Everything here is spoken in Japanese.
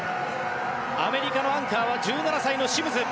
アメリカのアンカーは１７歳のシムズ。